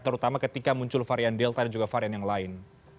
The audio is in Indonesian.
terutama ketika muncul varian delta dan juga varian yang lain